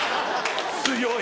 強い。